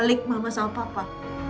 balik sama masalah papa